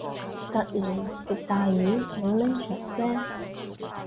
突然極大雨，冇拎長遮